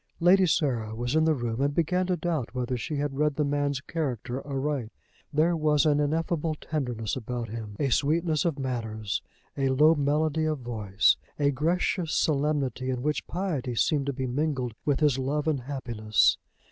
Lady Sarah was in the room, and began to doubt whether she had read the man's character aright. There was an ineffable tenderness about him, a sweetness of manners, a low melody of voice, a gracious solemnity in which piety seemed to be mingled with his love and happiness!